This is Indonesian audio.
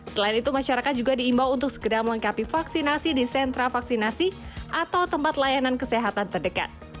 selain itu masyarakat juga diimbau untuk segera melengkapi vaksinasi di sentra vaksinasi atau tempat layanan kesehatan terdekat